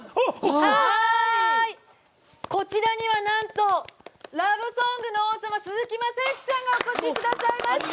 こちらには、なんとラブソングの王様鈴木雅之さんがお越しくださいました！